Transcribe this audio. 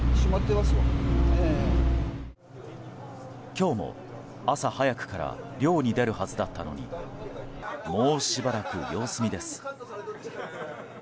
今日も朝早くから漁に出るはずだったのにもうしばらく様子見です。